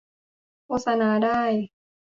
โฆษณาได้